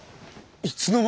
いつの間に。